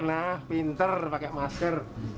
nah pinter pakai masker